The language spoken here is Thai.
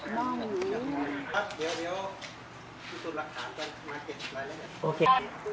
มาเท็จกัน